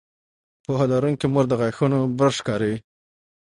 پوهه لرونکې مور د غاښونو برش کاروي.